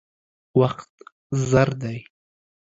وخت زر دی.